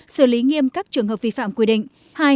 xử lý nghiêm các trường hợp vi phạm quy định